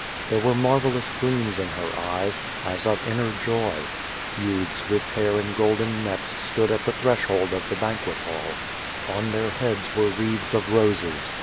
There were marvelous gleams in her eyes, as of inner joy. Youths with hair in golden nets stood at the threshold of the hanquet hall. On their heads were wreaths of roses.